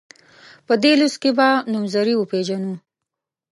په دې لوست کې به نومځري وپيژنو.